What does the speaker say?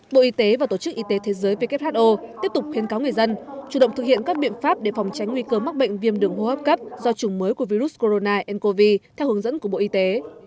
bộ y tế và tổ chức y tế thế giới who tiếp tục khuyến cáo người dân chủ động thực hiện các biện pháp để phòng tránh nguy cơ mắc bệnh viêm đường hô hấp cấp do chủng mới của virus corona ncov theo hướng dẫn của bộ y tế